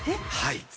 はい。